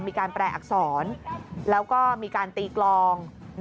มีการแปลอักษรแล้วก็มีการตีกลอง